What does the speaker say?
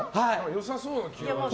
良さそうな気がする。